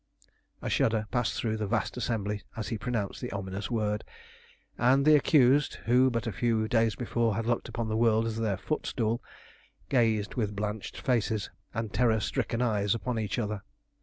A shudder passed through the vast assembly as he pronounced the ominous word, and the accused, who but a few days before had looked upon the world as their footstool, gazed with blanched faces and terror stricken eyes upon each other.